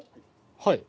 はい。